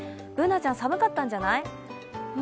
Ｂｏｏｎａちゃん寒かったんじゃない？